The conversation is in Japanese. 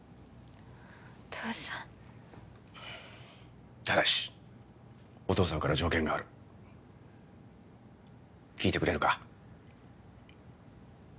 お父さんただしお父さんから条件がある聞いてくれるか？